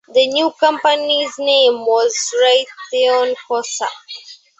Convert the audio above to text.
The new Company's name was Raytheon Cossor.